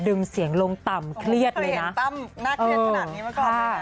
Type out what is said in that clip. ดึมเสียงลงต่ำเครียดเลยนะ